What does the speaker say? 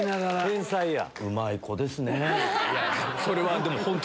天才や。